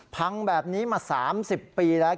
พังแบบนี้มา๓๐ปีแล้ว